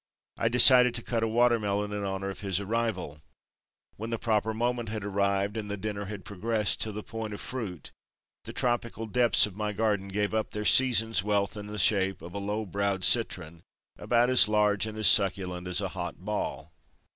I decided to cut a watermelon in honor of his arrival. When the proper moment had arrived and the dinner had progressed till the point of fruit, the tropical depths of my garden gave up their season's wealth in the shape of a low browed citron about as large and succulent as a hot ball.